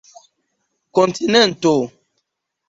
kontinento